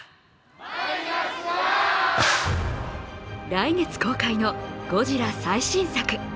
来月公開のゴジラ最新作。